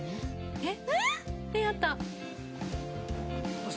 「えっ！」